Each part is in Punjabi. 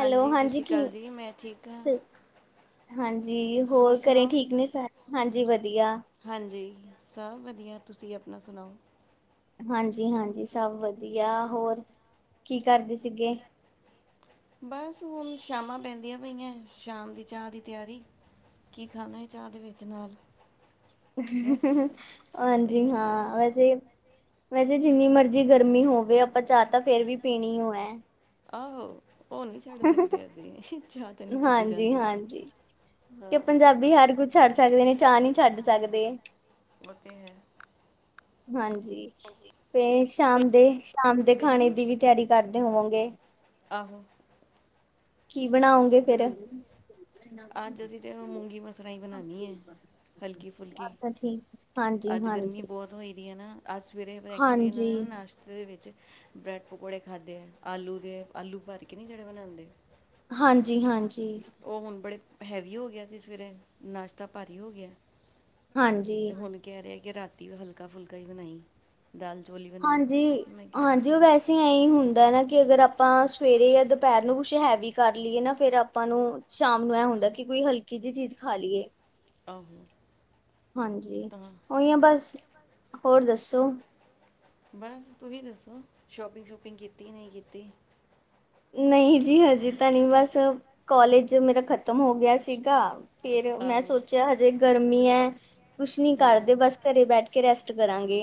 ਹਾਂਜੀ ਸਤਿ ਸ੍ਰੀ ਅਕਾਲ ਜੀ ਮੈਂ ਠੀਕ ਹਾਂ। ਹਾਂਜੀ। ਜੀ ਹੋਰ ਘਰੇ ਠੀਕ ਨੇ ਸਾਰੇ ਹਾਂਜੀ ਵਧੀਆ। ਸਭ ਵਧੀਆ ਤੁਸੀਂ ਆਪਣਾ ਸੁਣਾਓ? ਹਾਂਜੀ ਹਾਂਜੀ ਸਭ ਵਧੀਆ ਹੋਰ ਕੀ ਕਰਦੇ ਸੀਗੇ। ਬਸ ਹੁਣ ਸ਼ਾਮਾਂ ਪੈਂਦੀਆਂ ਪਈਆਂ ਸ਼ਾਮ ਦੀ ਚਾਹ ਦੀ ਤਿਆਰੀ ਕੀ ਖਾਣਾ ਹੈ ਚਾਹ ਦੇ ਵਿੱਚ ਨਾਲ ਹਾਂਜੀ ਹਾਂ ਵੈਸੇ ਵੈਸੇ ਜਿੰਨੀ ਮਰਜ਼ੀ ਗਰਮੀ ਹੋਵੇ ਆਪਾਂ ਚਾਹ ਤਾਂ ਫੇਰ ਵੀ ਪੀਣੀ ਹੋ ਹੈ। ਆਹੋ। ਹਾਂਜੀ ਹਾਂਜੀ ਤੇ ਪੰਜਾਬੀ ਹਰ ਕੁਛ ਛੱਡ ਸਕਦੇ ਨੇ ਚਾਹਅ ਨੀ ਛੱਡ ਸਕਦੇ। ੳਤੇ ਹੈ। ਹਾਂਜੀ। ਜੀ ਫਿਰ ਸ਼ਾਮ ਦੇ ਸ਼ਾਮ ਦੇ ਖਾਣੇ ਦੀ ਵੀ ਤਿਆਰੀ ਕਰਦੇ ਹੋਵੋ ਗੇ ਆਹੋ ਕੀ ਬਣਾਓ ਉਗੇ ਫੇਰ ਅੱਜ ਅਸੀਂ ਤਾਂ ਮੂੰਗੀ ਮਸਰੀ ਹੀ ਬਣਾਉਂਦੀ ਹੈ। ਹਲਕੀ ਫੁਲਕੀ ਅੱਜ ਗਰਮੀ ਬਹੁਤ ਹੋਈ ਦੀ ਹੈ ਨਾ ਅੱਜ ਸਵੇਰੇ ਐਕਚੁਲੀ ਨੂੰ ਨਾਸ਼ਤੇ ਦੇ ਵਿੱਚ ਬ੍ਰੈਡ ਪਕੌੜੇ ਖਾਧੇ ਹੈ ਆਲੂ ਦੇ ਆਲੂ ਭਰ ਕੇ ਨਹੀਂ ਜਿਹੜੇ ਬਣਾਉਂਦੇ ਹਾਂਜੀ ਹਾਂਜੀ ਉਹ ਹੁਣ ਬੜੇ ਹੈਵੀ ਹੋ ਗਿਆ ਸੀ ਸਵੇਰੇ ਨਾਸ਼ਤਾ ਭਾਰੀ ਹੋ ਗਿਆ ਤੇ ਹੁਣ ਕਿ ਰਿਹ ਤੇ ਰਾਤੀ ਮੈ ਹਲਕਾ ਫੁਲਕਾ ਜ ਬਣਾ ਹਾਂਜੀ ਹਾਂਜੀ ਉਹ ਵੈਸੇ ਐਹੀ ਹੁੰਦਾ ਨਾ ਕਿ ਅਗਰ ਆਪ ਪਾਂ ਸਵੇਰੇ ਜਾਂ ਦੁਪਹਿਰ ਨੂੰ ਕੁਛ ਹੈਵੀ ਕਰ ਲਈਏ ਨਾ ਫੇਰ ਆਪਾਂ ਨੂੰ ਸ਼ਾਮ ਨੂੰ ਇਹ ਹੁੰਦਾ ਕਿ ਕੋਈ ਹਲਕੀ ਜਿਹੀ ਚੀਜ਼ ਖਾ ਲਈਏ ਆਹੋ। ਹਾਂਜੀ ਉਹੀ ਆ ਬਸ ਹੋਰ ਦੱਸੋ ਬਸ ਤੁਸੀਂ ਦੱਸੋ, ਸ਼ੋਪਿੰਗ ਸ਼ੂਪਿੰਗ ਕੀਤੀ ਨਹੀਂ ਕੀਤੀ ਨਹੀਂ ਜੀ ਹਜੇ ਤਾਂ ਨਹੀਂ ਬਸ ਕੋਲਜ ਮੇਰਾ ਖ਼ਤਮ ਹੋ ਗਿਆ ਸੀਗਾ। ਫੇਰ ਮੈਂ ਸੋਚਿਆ ਹਜੇ ਗਰਮ ਮੀ ਐ ਕੁਛ ਨਹੀਂ ਕਰਦੇ ਬਸ ਘਰੇ ਬੈਠ ਕੇ ਰੈਸਟ ਕਰਾਂਗੇ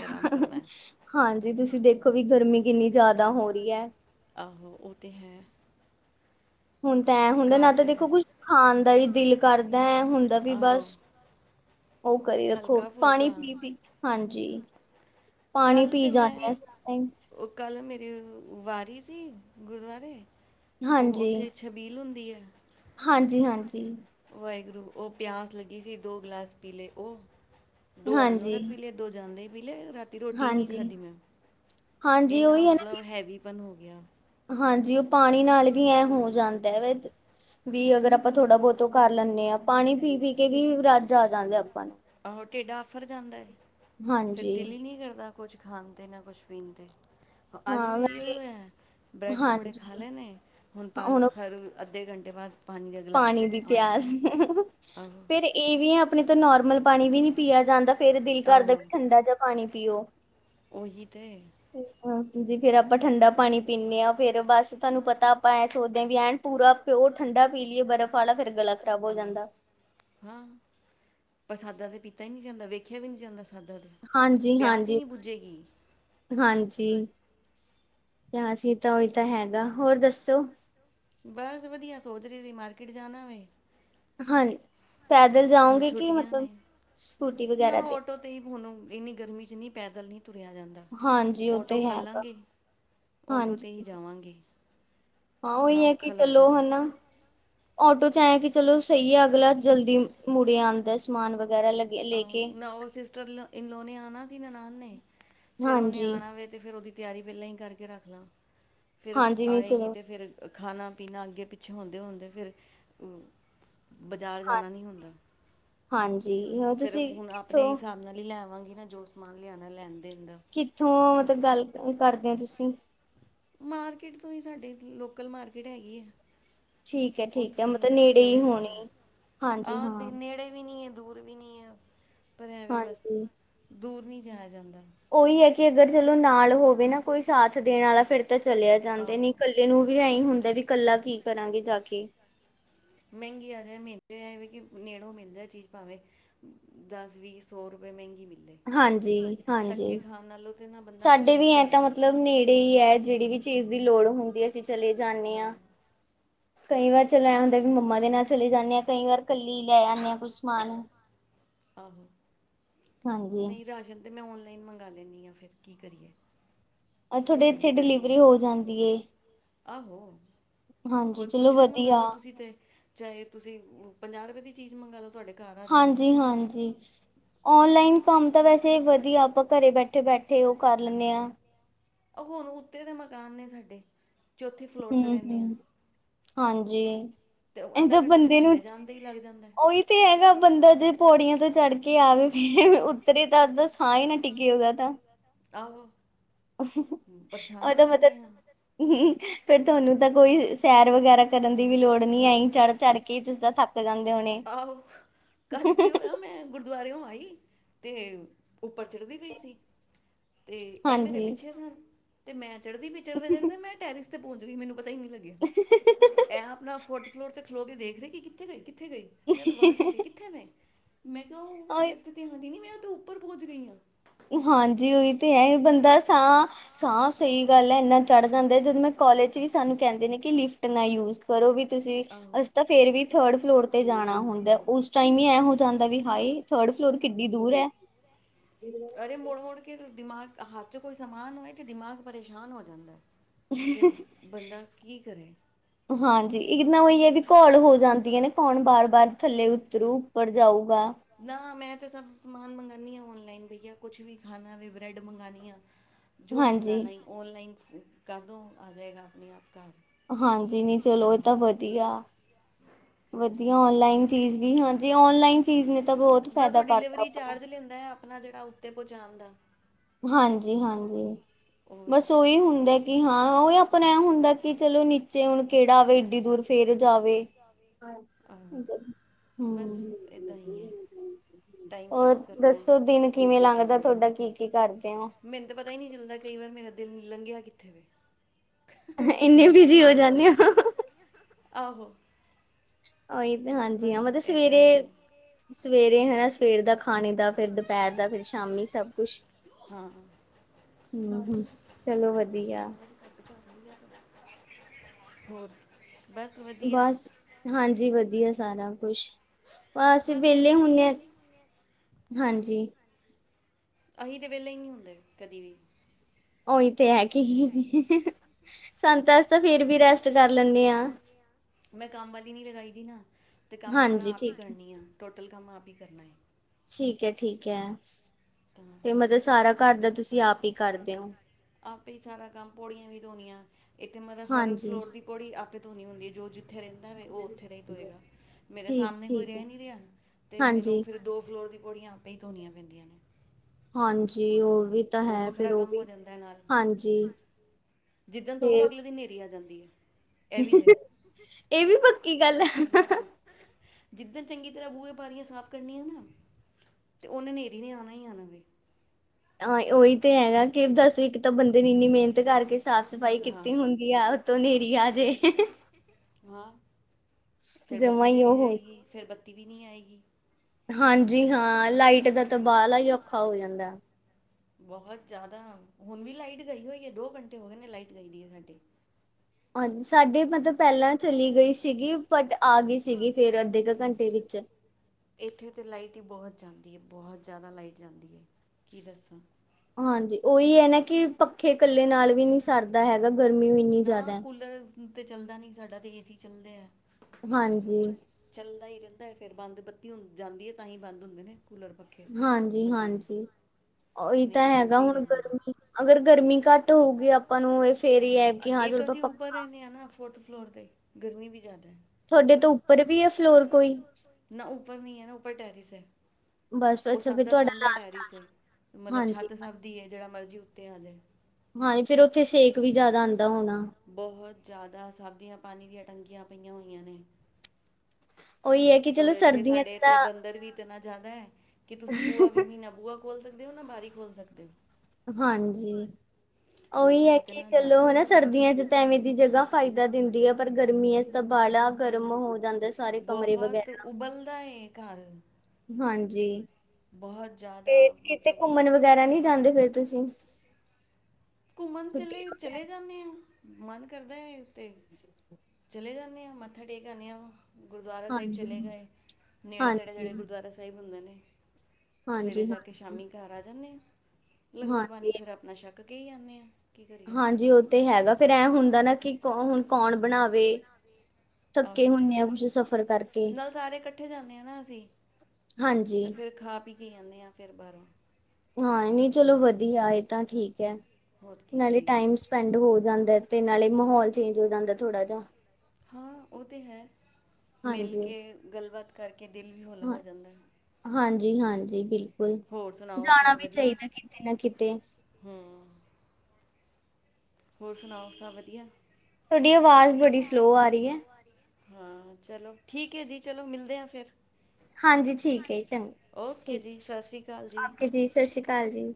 ਹਾਂ ਹਾਂ ਹਾਂਜੀ ਤੁਸੀਂ ਦੇਖੋ ਵੁ ਗਰਮੀ ਕਿੰਨੀ ਜਿਆਦਾ ਹੋ ਰਹੀ ਐ। ਆਹੋ ਉਹ ਤੇ ਹੈ। ਹੁਣ ਤਾਂ ਐਂ ਹੁੰਦਾ ਨਾ ਤਾਂ ਦੇਖੋ ਕੁੱਛ ਖਾਨ ਦਾ ਵੀ ਦਿਲ ਕਰਦਾ ਐ ਹੁੰਦਾ ਵੀ ਬਸ ਉਹ ਕਰੀ ਰੱਖੋ ਪਾਣੀ ਪੀ ਪੀ ਕੇ, ਹਾਂਜੀ ਪਾਣੀ ਪੀ ਜਾਂਦੇ ਆ, ਅਸੀਂ ਤਾਂ ਵਾ ਵਾਰੀ ਸੀ ਗੁਰਦੁਆਰੇ ਉ ਉੱਥੇ ਛਬੀਲ ਹੁੰਦੀ ਹੈ। [inaudible] ਹਾਂਜੀ ਹਾਂਜੀ ਵਾਹਿਗੁਰੂ ਉਹ ਪਿਆਸ ਲੱਗੀ ਸੀ ਦੋ ਗਲਾਸ ਪੀਲੇ ਉਹ ਦੋ ਆਣ ਵਗਤ ਪੀਲੇ ਦੋ ਜਾਂਣਦੇ ਹੀ ਮਿਲੇ ਦੀ ਰੋਟੀ ਨਹੀਂ ਖਾਧੀ ਮੈਂ ਇੰਨਾ ਮਤਲਬ ਹੈਵੀ ਬੰਦ ਹੋ ਗਿਆ। ਹਾਂਜੀ ਉਹ ਪਾਣੀ ਨਾਲ ਵੀ ਐਂ ਹੋ ਜਾਂਦਾ ਵੀ ਅਗਰ ਆਪਾਂ ਥੋੜ੍ਹਾ ਬਹੁਤ ਉਹ ਕਰ ਲੈਂਦੇ ਹਾਂ ਪਾਣੀ ਪੀ, ਪੀ ਕੇ ਵੀ ਰੱਜ ਆ ਜਾਂਦਾ ਆਪਾਂ ਨੂੰ ਟੇਡ ਆਫਰ ਜਾਂਦਾ ਹੈ। ਫੇਰ ਦਿਲ ਹੀ ਨਹੀ ਕਰਦਾ। ਕੁਛ ਖਾਂਦੇ ਨਾ ਕੁਛ ਪੀਂਦੇ ਅੱਜ ਵੀ ਇਹੀੋ ਹੀ ਹੋਇਆ। ਬ੍ਰੈਡ ਪਕੌੜੇ ਖਾ ਲੈਣੇ ਹੁਣ ਪੰਜ ਅਧੇ ਘੰਟੇ ਬਾਅਦ ਪਾਣੀ ਦੀ ਪਿਆਸ ਫੇਰ ਇਹ ਵੀ ਹੈ ਆਪਣੇ ਤਾਂ ਨੋਰਮਲ ਪਾਣੀ ਵੀ ਨੀ ਪੀਆ ਜਾਂਦਾ। ਫੇਰ ਦਿਲ ਕਰਦਾ ਵੀ ਠੰਡਾ ਜਾਂ ਪਾਣੀ ਪੀਓ ਉਹੀ ਤੇ ਹਾਂ ਜੀ ਫੇਰ ਆਪਾਂ ਠੰਡਾ ਪਾਣੀ ਪੀਂਦੇ ਹਾਂ, ਫੇਰ ਬਸ ਤੁਹਾਨੂੰ ਪਤਾ ਆਪਾਂ ਐ ਸੋਦੇ ਹਾਂ ਵੀ ਐਂਨ ਪੂਰਾ ਪਿਓਰ ਠੰਡਾ ਪੀਲੀਏ ਬਰਫਵਾਲਾ ਫੇਰ ਗਲਾ ਆ ਹਾਂ ਪ੍ਰਸਾਦਾ ਦੇ ਪੀਤਾ ਹੀ ਨੀ ਜਾਂਦਾ, ਵੇਖਿਆ ਵੀ ਨੀ ਜਾਂਦਾ। ਹਾਂਜੀ, ਹਾਂਜੀ, ਹਾਂਜੀ ਜਾਂਸੀ ਤਾਂ ਉਹੀ ਤਾਂ ਹੈਗਾ ਹੋਰ ਦੱਸੋ। ਬਸ ਵਧੀਆ ਸੋਚ ਰਹੀ ਸੀ ਮਾਰਕੀਟ ਜਾਣਾ ਵੇ ਹਾਂਜੀ ਹੁਣ ਛੁੱਟੀਆਂ ਨੇ, ਨਾ ਆਟੋ ਤੇ ਹੀ ਹੂਣ ਇੰਨੀ ਗਰਮੀ ਚ ਨਹੀਂ ਪੈਦਲ ਨੀ ਤੁਰਿਆ ਜਾਂਦਾ। ਔਟੋ ਕਰ ਲਾਂਗੀ ਔਟੋ 'ਤੇ ਹੀ ਜਾਵਾਂਗੀ। ਹਾਂ ਔਹੀ ਹੈ ਕਿ ਚਲੋ ਹਨਾ। ਆਟੋ ਚ ਏਹ ਕਿ ਚਲੋ ਸਹੀ ਹੈ ਅਗਲਾ ਜਲਦੀ ਮੁੜੇ ਆੰਦਾ ਸਮਾਨ ਵ ਆਹ ਉਹ ਸਿਸਟਰ ਇਨ ਲੋ ਨੇ ਆਉਣਾ ਨਨਾਣ ਨੇ। ਫੇਰ ਉਹਨੇ ਆਣਾ ਵੇ ਤੇ ਫੇਰ ਔਹਦੀ ਤਿਆਰੀ ਪਹਿਲਾਂ ਹੀ ਕਰਕੇ ਰੱਖ ਲਾਂ। ਫਿਰ ਆਏਗੀ ਤੇ ਫਿਰ ਖਾਣਾ-ਪੀਣਾ, ਅੱਗੇ-ਪਿੱਛੇ ਹਦੇ ਹੋਦੇ ਫੇਰ ਬਜ਼ਾਰ ਜਾਣਾ ਨੀ ਹੁੰਦਾ। ਫੇਰ ਹੁਣ ਆਪਣੇ ਹਿਸਾਬ ਨਾਲ ਹੀ ਲੈਵਾਂ ਨਾ ਜੋ ਸਮਾਨ ਲਿਆਉਣਾ ਲੈਣਦੇ। ਕਿੱਥੋਂ ਮਤਲਬ ਗੱਲ ਕਰਦੇ ਹੋ ਤੁਸੀਂ? ਮਾਰਕੀਟ ਤੋਂ ਹੀ ਸਾਡੇ ਲੋਕਲ ਮਾਰਕੀਟ ਹੈਗੀ ਹੈ। ਠੀਕ ਹੈ, ਠੀਕ ਹੈ। ਮਤਲਬ ਨੇੜੇ ਹੀ ਹੋਣੀ ਹਾਂਜੀ ਹਾਂ। ਦੂਰ ਵੀ ਨਹੀਂ ਏ ਹਾਂਜੀ। ਦੂਰ ਨਹੀਂ ਜਾਇਆ ਜਾਂਦਾ। ਉਹੀ ਹੈ ਕਿ ਅਗਰ ਚਲੋ ਨਾਲ ਹੋਵੇ ਨਾ ਕੋਈ ਸਾਥ ਦੇਣ ਵਾਲਾ। ਤਾਂ ਚਲਿਆ ਜਾਂਦੇ ਨੇ ਇਕੱਲੇ ਨੂੰ ਵੀ ਆ ਹੁੰ ਵੀ ਇਕੱਲਾ ਕੀ ਕਰਾਂਗੇ ਜਾ ਕੇ? ਮਹਿੰਗੀ ਆ ਜਾ ਮਿੰਵੇ ਕਿ ਨੇੜੋਂ ਮਿਲ ਜਾ ਚੀਜ਼ ਭਾਵੇਂ ਦਸ ਵੀਹ ਸੌ ਰੁਪਏ ਮਹਿੰਗੀ ਹਾਂਜੀ-ਹਾਂਜੀ। ਸਾਡੇ ਵੀ ਐ ਤਾਂ ਮਤਲਬ ਨੇੜੇ ਹੀ ਹੈ। ਜਿਹੜੀ ਵੀ ਚੀਜ਼ ਦੀ ਲੋੜ ਹੁੰਦੀ। [unintelligible] ਚਲੇ ਜਾਣੇ ਆ ਕਈ ਵਾਰ ਚਲੋ ਏ ਹੁੰਦਾ ਵੀ ਮੰਮਾ ਦੇ ਨਾਲ ਚਲੀ ਜਾਂਨੀ ਆਾਂ ਕਈ ਵਾਰ ਕੱਲੀ ਲੈ ਆਨੀ ਆ ਕੁੱਝ ਸਮਾਨ। ਆਹੋ ਨਹੀਂ ਰਾਸ਼ਨ ਤੇ ਮੈਂ ਹੁਣ ਮੰਗਵਾ ਲੈਣੀ ਹਾਂ। ਫਿਰ ਕੀ ਕਰੀਏ? ਅਹ ਤੁਹਾਡੇ ਇੱਥੇ ਡਿਲੀਵਰੀ ਹੋ ਜਾਂਦੀ ਏ। ਆਹੋ। ਕੋਈ ਕੁਛ ਵੀ ਮੰਗਵਾ ਲਓ ਤੁਸੀਂ ਤੇ ਚਾਹੇ ਤੁਸੀਂ। ਪੰਜਾਹ ਰੁਪਏ ਦੀ ਚੀਜ਼ ਮੰਗਵਾ ਲਓ ਤੁਹਾਡੇ ਹਾਂਜੀ-ਹਾਂਜੀ। ਔਨਲਾਈਨ ਕੰਮ ਤਾਂ ਵੈਸੇ ਵਧੀਆ ਆਪਾਂ ਘਰੇ ਬੈਠੇ ਬੈਠੇ ਉਹ ਕਰ ਲੈਂਨੇ ਹਾਂ। ਹੁਣ ਉੱਤੇ ਦੇ ਮਕਾਨ ਨੇ ਸਾਡੇ। ਹਮ-ਹਮ, ਹਾਂਜੀ। ਇਹ ਤਾਂ ਬੰਦੇ ਨੂੰ, ਉਹੀ ਤੇ ਹੈਗਾ ਬੰਦਾ ਜੈ ਪੌੜੀਆਂ ਤੋਂ ਚੜ੍ਹ ਕੇ ਆਵੇ, ਉਤਰੇ ਤਾਂਦਾ ਸਾਹ ਹੀ ਨਾ ਟਿੱਕੇ ਓਦਾ ਤਾਂ। ਆਹੋ। ਉਹਦਾ ਮਤਲਬ ਫਿਰ ਤੁਹਾਨੂੰ ਤਾਂ ਕੋਈ ਸੈਰ ਵਗੈਰਾ ਕਰਨ ਦੀ ਲੋੜ ਨ ਆਈ ਚ ਚ ਕੇ ਆਹੋ ਕੱਲ ਕੀ ਹੋਇਆ ਮੈਂ ਗੁਰਦੁਆਰੇ ਆਈ। ਤੇ ਉੱਪਰ ਚੜ੍ਹਦੀ ਪਈ ਸੀ। ਤੇ ਇਹ ਮੇਰੇ ਪਿੱਛੇ ਨਾ ਤੇ ਮੈਂ ਚੜਦੀ ਪਈ ਚੜਦੇ-ਚੜਦੇ ਮੈਂ ਟੈਰਿਸ ਤੇ ਵੀ ਮੈਨੂੰ ਪਤਾ ਈ ਨੀ ਲੱਗਿਆ ਐ ਆਪਣਾ ਫੋਰਥ ਫਲੋਰ ਤੇ ਖਲੋ ਕੇ ਦੇਖ [unintelligible] ਕਿੱਥੇ ਗਈ ਕਿ ਥੇ ਗਈ ਏਨਾਂ ਨੂੰ ਵਾਜ਼ ਦਿੱਤੀ ਕਿੱਥੇ ਵੇ। ਮੈਂ ਕਈਆ ਓ ਮੇ ਤਾਂ ਤੇਆਂਨ ਈ ਨੀ ਮੇਰਾ ਤੂੰ ਉੱਪਰ ਪੋਂਚ ਗਈ ਐ। ਹਾਂਜੀ ਓਹੀ ਤੇ ਹੈ ਬੰਦਾ ਸਾਹ-ਸਾਹ ਸਈ ਗੱਲ ਐ ਇਨਾਂ ਚੜ ਜਾਂਦੈ ਜਦੋਂ ਮੈਂ ਕੋਲਜ ਸਾਨੂੰ ਕੈਂਦੇ ਨੇ ਕੀ ਲਿਫਟ ਨਾ ਯੂਜ ਕਰੋ ਵੀ ਤੁਸੀਂ ਅਸੀਂ ਤਾਂ ਫੇਰ ਵੀ ਥਰਡ ਫਲੋਰ ਤੇ ਜਾਣਾ ਹੁੰਦੈ ਉਸ ਟਾਈਮ ਈ ਐ ਹੋ ਜਾਂਦੈ ਵੀ ਹਾਏ ਥਰਡ ਫਲੋਰ ਕਿਡੀ ਦੂਰ ਐ। ਅਰੇ ਮੁੜ-ਮੁੜ ਕੇ ਦਿਮਾਗ ਹੱਥ ਚ ਕੋਈ ਸਮਾਨ ਹੋਏ ਤੇ ਦਿਮਾਗ ਪਰੇਸ਼ਾਨ ਹੋ ਜਾਂਦਾ। ਹਾਂਜੀ ਇੱਕ ਦ ਨਾ ਓਹੀ ਐ ਵੀ ਘੋਲ ਹੋ ਜਾਂਦੀਆਂ ਨੇ ਕੌਣ ਬਾਰ-ਬਾਰ ਥੱਲੇ ਉਤਰੂ ਉੱਪਰ ਜਾਊਗਾ। ਤੇ ਸਭ ਸਮਾਨ ਮੰਗਾਂਨੀ ਆ ਔਨਲਾਈਨ ਵਈਆ ਕੁੱਛ ਵੀ ਖਾਣਾ ਵੀ ਬ੍ਰੈਡ ਮੰਗਾਂਨੀ ਆ ਜੋ ਮੰਗਾਂਨਾ ਈ ਓਨਲਾਈਨ ਕਰਦੋ ਆ ਜਾਏਗਾ ਆਪਣੇ ਆਪ ਘਰ। ਹਾਂ ਜੀ ਨੀ ਚਲੋ ਏ ਤਾਂ ਵਧੀਆ-ਵਧੀਆ ਓਨਲਾਈਨ ਚੀਜ਼ ਵੀ ਹਾਂਜੀ ਓਨਲਾਈਨ ਚੀਜ਼ ਨੇ ਤਾਂ ਬੋਤ ਫੈਦਾ ਕਰਤਾ ਆਪਣਾ। ਆਪਣਾ ਜਿਹੜਾ ਉੱਤੇ ਪੁਚਾਨ ਦਾ ਹਾਂਜੀ-ਹਾਂਜੀ ਬਸ ਓਈ ਹੁੰਦਾ ਕੀ ਹਾਂ ਓ ਆਪਣਾ ਐ ਹੁੰਦਾ ਕਿ ਚਲੋ ਨੀਚੇ ਹੁਣ ਕਿਹੜਾ ਆਵੇ ਏਡੀ ਦੂਰ ਫੇਰ ਜਾਵੇ ਹੂੰ। [unintelligible] ਹੋਰ ਦੱਸੋ ਦਿਨ ਕਿਵੇਂ ਲੰਘਦਾ ਤੁਹਾਡਾ ਕੀ ਮੈਨੂੰ ਤਾਂ ਪਤਾ ਈ ਨੀ ਚੱਲਦਾ ਕਈ ਵਾਰ ਮੇਰਾ ਦਿਨ ਲੰਘਿਆ ਕਿੱਥੇ ਵੇ। ਏਨੇ ਬਿਜੀ ਹੋ ਜਾਂਨੇ ਓ। ਆਹੋ। ਓਹੀ ਤੇ ਹਾਂਜੀ ਹਾਂ ਮਤਲਬ ਸਵੇਰੇ-ਸਵੇਰੇ ਹ ਸਵੇਰ ਦਾ ਖਾਣੇ ਦਾ ਫਿਰ ਦੁਪੇਰ ਦਾ ਫਿਰ ਸ਼ਾਮੀ ਸਭ ਖੁਸ਼ ਹੁਓ ਹ ਚਲੋ ਵਧੀਆ। ਹੋਰ ਬਸ ਹਾਂਜੀ, ਵਧੀਆ। ਸਾਰਾ ਕੁਛ ਬਸ ਅਸੀੇ ਵੇਲੇ ਹੁਣੇ ਹਾਂਜੀ। ਅਸੀਂ ਤੇ ਵੇਲੇ ਹੀ ਨਹੀਂ ਹੁੰਦੇ ਕਦੀ ਵੀ ਮੈਂ ਕੰਮ ਵਾਲੀ ਨੀ ਲਗਾਈ। ਏਨਾ ਤੇ ਕੰਮ ਸਾਰਾ ਆਪ ਹੀ ਕਰਨੀ ਆ। ਇਹ ਕੰਮ ਆਪ ਹੀ ਕਰਨਾ ਏ। ਠੀਕ ਏ। ਠੀਕ ਏ। ਤੇ ਮਤਲਬ ਸਾਰਾ ਘਰ ਦਾ ਤੁਸੀਂ ਆਪ ਹੀ ਕਰਦੇ ਹੋ। ਆਪੇ ਸਾਰਾ ਕੰਮ ਪੌੜੀਆਂ ਵੀ ਧੋਣੀਆਂ ਇੱਥੇ ਮਤਲਬ ਹਰ ਫਲੋਰ ਦੀ ਪੋੜੀ ਆਪ ਧੋਣੀ ਹੁੰਦੀ ਹੈ ਜੋ ਜਿਥ ਉੱਥੇ ਰਹਿੰਦਾ ਵ ਉਹ ਉੱਥੇ ਨਹੀਂ ਤੁਰਗਾ ਮੇਰੇ ਸਾਹਮਣੇ ਕੋਈ ਰਹਿ ਨਹੀਂ ਰਿਹਾ ਤੇ ਮੈਨੂੰ ਫਿਰ ਦੋ ਫਲੋਰ ਦੀ ਪੌੜੀਆਂ ਆਪੇ ਹੀ ਧੋਣੀਆਂ ਪੈਂਦੀਆਂ ਨੇ। ਹਾਂਜੀ ਹੋਰ ਉਹ ਵੱਖਰਾ ਕੰਮ ਹੋ ਜਾਂਦਾ ਹੈ ਨਾਲ, ਜਿੱਦਣ ਧੋਵੋ ਅਗਲੇ ਦਿਨ ਨੇਰੀ ਆ ਜਾਂਦਾ। ਦੀ ਆ। ਇਹ ਵੀ ਪੱਕੀ ਗੱਲ ਆ ਜਿੱਦਾਂ ਚੰਗੀ ਤਰ੍ਹਾਂ ਬੂਹੇ ਬਾਰੀਆਂ ਸਾਫ਼ ਕਰਨਣੀਆਂ ਨਾ ਤੇ ਉਹਨੇ ਨੇਰੀ ਨੇ ਆਣਾ ਹੀ ਆਣਾ। ਹਾਂ ਉਹੀ ਤੇ ਹੈਗਾ ਕਿ ਦੱਸ ਉ ਇੱਕ ਤਾਂ ਬੰਦੇ ਨੇ ਇੰਨੀ ਮਿਹਨਤ ਕਰਕੇ ਸਾਫ਼ ਸਫ਼ਾਈ ਕੀਤੀ ਹੁੰਦੀ ਆ। ਤੋ ਨੇਰੀ ਆਜੇ। ਵਾਹ ਫਿਰ ਬੱਤੀ ਚਲੀ ਜਾਏਗੀ, ਫੇਰ ਬੱਤੀ ਵੀ ਨਹੀਂ ਆਏਗੀ। ਹਾਂਜੀ ਹਾਂ ਲਾਈਟ ਦਾ ਤਾਂ ਬਾਹਲਾ ਹੀ ਔਖਾ ਹੋ ਜਾਂਦਾ। ਬਹੁਤ ਜ਼ਿਆਦਾ ਹੁਣ ਵੀ ਲਾਈਟ ਗਈ ਹੋਈ ਹੈ ਦੋ ਘੰਟੇ ਹੋ ਗਏ ਨੇ ਲਾਈਟ ਗਈ ਦੀ ਹੈ ਸਾਡੇ ਸਾਡੇ ਮਤਲਬ ਪਹਿਲਾਂ ਚਲੀ ਗਈ ਸੀਗੀ ਬਟ ਆ ਗਈ ਸੀਗੀ ਫੇਰ ਅੱਧੇ ਕੁ ਘੰਟੇ ਵਿੱਚ। ਇੱਥੇ ਤਾਂ ਲਾਈਟ ਹੀ ਬਹੁਤ ਜਾਂਦੀ ਹੈ ਬਹੁਤ ਜ਼ਿਆਦਾ ਲਾਈਟ ਜਾਂਦੀ ਏ। ਹਾਂਜੀ ਉਹੀ ਹੈ ਨਾ ਕਿ ਪੱਖੇ ਕੱਲੇ ਨਾਲ ਵੀ ਨਹੀਂ ਸਰਦਾ ਹੈਗਾ ਗਰਮੀ ਇੰਨੀ ਜ਼ਿਆਦਾ ਤੇ ਚੱਲਦਾ ਨਹੀਂ ਸਾਡਾ ਤਾਂ ਏ ਸੀ ਚੱਲਦੇ ਹੈ ਹਾਂਜੀ ਚੱਲਦਾ ਹੀ ਰਹਿੰਦਾ ਹੈ ਫੇਰ ਬੰਦ ਬੱਤੀ ਹੋਈ ਜਾਂਦੀ ਹੈ ਤਾਂ ਹੀ ਬੰਦ ਹੁੰਦੇ ਨੇ ਹਾਂਜੀ-ਹਾਂਜੀ। ਉਹੀ ਤਾਂ ਹੈਗਾ ਹੁਣ ਗਰਮੀ ਅਗਰ ਗਰਮੀ ਘੱਟ ਹੋਊਗੀ ਆਪਾਂ ਨੂੰ ਇਹ ਫੇਰ ਹੀ ਹੈ ਕਿ ਹਾਂ ਚਲੋ ਆਪਾਂ ਪਖਾ ਫੋਰਥ ਫਲੋਰ 'ਤੇ ਗਰਮੀ ਵੀ ਜਾਂਦੀ ਤੁਹਾਡੇ ਤੋਂਪ ਪਰ ਵੀ ਹੈ ਫਲੋਰ ਕੋਈ? ਉਪਰ ਨਹੀਂ ਹੈ ਨਾ ਉਪਰ ਟੈਰਿਸ ਹੈ ਉਹ ਸਭ ਦਾ ਸਾਂਝਾ ਟਹਿਰੀ ਸੀ ਮਤਲਬ ਛੱਤ ਸਭ ਦੀ ਹੈ ਜਿਹੜਾ ਮਰਜੀ ਕਿੱ ਤੇ ਹਜੇ ਬਹੁਤ ਜਿਆਦਾ ਸਬਦੀਆਂ ਪਾਣੀ ਦੀ ਤੰਗੀਆਂ ਪਈਆਂ ਹੋਈਆਂ ਨੇ। ਉਹੀ ਹੈ ਕਿ ਚਲੋ ਸਰਦੀਆਂ ਚ ਤਾਂ ਕਿਨਾ ਜ਼ਿਆਦਾ ਹੈ ਕਿ ਤੁਸੀਂ ਬੂਆ ਵੀ ਨ ਨਾ ਬੂਆ ਖੋਲ ਸਕਦੇ ਹੋ ਨਾ ਬਾਰਿ ਖੋਲ ਸਕਦੇ ਹੋ ਹਾਂਜੀ ਉਹੀ ਹੈ ਕਿ ਚਲੋ ਹਨਾ ਸਰਦੀਆਂ ਚ ਤਾਂ ਐਵੇਂ ਦੀ ਜਗ੍ਹਾ ਫਾਇਦਾ ਦਿੰਦੀ ਹੈ ਪਰ ਗਰਮੀਆਂ ਚ ਤਾਂ ਬਾਹਲਾ ਗਰਮ ਹੋ ਬਹੁਤ ਉਬਲਦਾ ਏ ਘਰ ਹਾਂਜੀ। ਬਹੁਤ ਜ਼ਿਆਦਾ ਮਤਲਬ ਘੁੰਮਣ ਚ ਚਲੇ ਜਾਂਦੇ ਆ ਮਨ ਕਰਦਾ ਹੈ ਅਤੇ ਚਲੇ ਜਾਂਦੇ ਹਾਂ ਮੱਥਾ ਟੇਕਂ ਆ ਗੁਰਦੁਆਰਾ ਸਾਹਿਬ ਚਲੇ ਗਏ ਨੇੜੇ ਤੇੜੇ-ਤੇੜੇ ਗੁਰਦੁਆਰਾ ਸਾਹਿਬ ਹੁੰਦੇ ਨੇ। ਸਵੇਰੇ ਜਾ ਕੇ ਸ਼ਾਮੀ ਘਰ ਆ ਜਾਂਦੇ ਆ। ਲੰਗਰ ਪਾਣੀ ਫਿਰ ਆਪਣਾ ਸ਼ੱਕ [unintelligible] ਕੇ ਹੀ ਜਾਂਨੇ ਆਾਂ ਹਾਂਜੀ ਉਹ ਤੇ ਹੈਗਾ ਫੇਿਰ ਐਂ ਹੁੰਦਾ ਨਾ ਕਿ ਹੁਣ ਕੌਣ ਬਣਾਵੇ ਆਹੋ ਨਾਲ ਸਾਰੇ ਇਕੱਠੇ ਜਾਂਦੇ ਆ ਨਾ ਅਸੀਂ ਤੇ ਫਿਰ ਖਾ ਪੀ ਕੇ ਜਾਂਦੇ ਹਾਂ ਫੇਰ ਬਾਹਰੋਂ ਹਾਂ ਨਹੀਂ ਚਲੋ ਵਧੀਆ ਇਹ ਤਾਂ ਠੀਕ ਹੈ। ਨਾਲੇ ਟਾਈਮ ਸਪੈਂਡ ਹੋ ਜਾਂਦਾ ਤੇ ਨਾਲੇ ਮਾਹੌਲ ਚੇਂਜ ਹੋ ਜਾਂਦਾ ਥੋੜਾ ਜਾ ਹਾਂ ਉਹ ਤਾਂ ਹੈ। ਮਿਲ ਕੇ ਗੱਲਬਾਤ ਕਿ ਦਿਲ ਵੀ ਹੌਲਾ ਹੋ ਜਾਂਦਾ ਹੈ। ਜੀ ਹਾਂਜੀ ਬਿਲਕੁਲ ਜਾਣਾ ਵੀ ਚਾਹੀਦਾ ਕਿਤੇ ਨਾ ਕਿਤੇ ਹੋਰ ਸੁਣਾਓ ਸਭ ਵਧੀਆ ਤੁਹਾਡੀ ਆਵਾਜ਼ ਬੜੀ ਸਲੋ ਆ ਰਹੀ ਹੈ ਹਾਂ ਚਲੋ ਠੀਕ ਹੈ ਜੀ ਚਲੋ ਮਿਲਦੇ ਹਾਂ ਫਿਰ ਹਾਂਜੀ ਠੀਕ ਹੈ ਜੀ ਚੰਗਾ ਠੀਕ ਆਪਕੇ ਜੀ ਸਤ ਸ੍ਰੀ ਅਕਾਲ ਜੀ